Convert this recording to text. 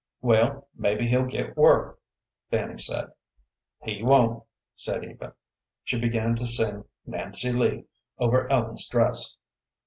"Well, maybe he'll get work," Fanny said. "He won't," said Eva. She began to sing "Nancy Lee" over Ellen's dress.